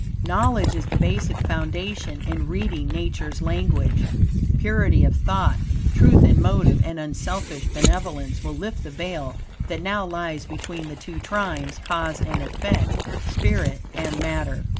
Knowledge is the basic foundation in reading Nature's language. Purity of thought, truth in motive, and unselfish benevolence, will lift the veil that now lies between the two trines, cause and effect, spirit and matter.